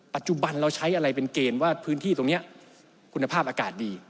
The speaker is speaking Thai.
ปัจจุบันเราใช้อะไรเป็นเกณฑ์ว่าพื้นที่ตรงนี้คุณภาพอากาศดี